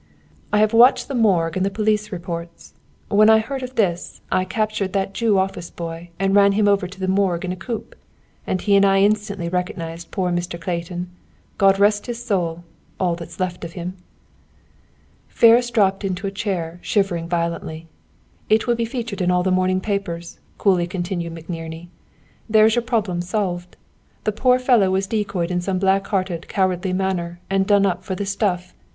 "I have watched the morgue and all the police reports. When I heard of this, I captured that Jew office boy, ran him over to the morgue in a coupe, and he and I instantly recognized poor Mr. Clayton. God rest his soul, all that's left of him!" Ferris dropped into a chair, shivering violently. "It will be featured in all the morning papers," coolly continued McNerney. "There's your problem solved. The poor fellow was decoyed in some black hearted, cowardly manner and done up for the stuff.